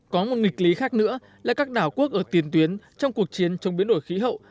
có một nghịch lý khác nữa là các đảo quốc ở tiền tuyến trong cuộc chiến chống biến đổi khí hậu